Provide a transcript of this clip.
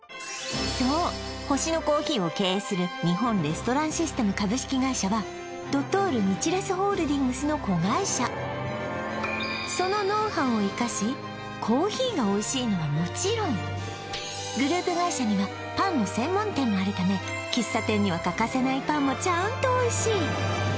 そう星乃珈琲を経営する日本レストランシステム株式会社はドトール・日レスホールディングスの子会社そのノウハウを生かしコーヒーがおいしいのはもちろんグループ会社にはパンの専門店もあるため喫茶店には欠かせないパンもちゃんとおいしい